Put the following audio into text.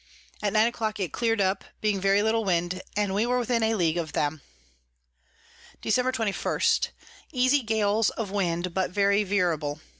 At nine a clock it clear'd up, being very little Wind, and we were within a League of them. Dec. 21. Easy Gales of Wind, but very veerable.